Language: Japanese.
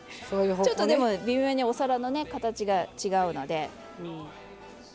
ちょっとでも微妙にお皿の形が違うので。